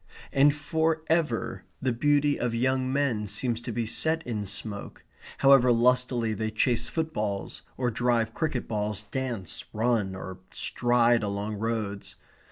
And for ever the beauty of young men seems to be set in smoke, however lustily they chase footballs, or drive cricket balls, dance, run, or stride along roads.